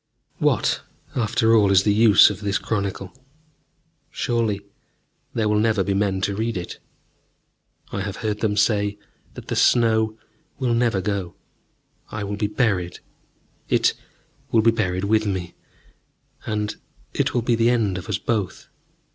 ... What, after all, is the use of this chronicle? Surely there will never be men to read it. I have heard them say that the snow will never go. I will be buried, it will be buried with me; and it will be the end of us both.